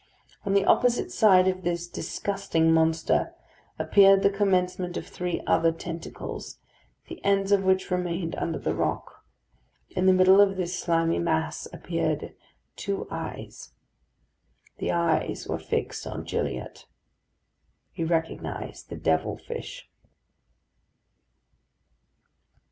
On the opposite side of this disgusting monster appeared the commencement of three other tentacles, the ends of which remained under the rock. In the middle of this slimy mass appeared two eyes. The eyes were fixed on Gilliatt. He recognised the Devil Fish.